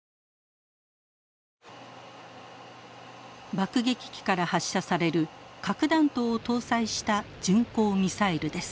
爆撃機から発射される核弾頭を搭載した巡航ミサイルです。